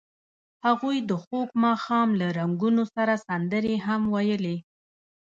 هغوی د خوږ ماښام له رنګونو سره سندرې هم ویلې.